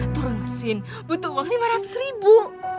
turun mesin butuh uang lima ratus ribu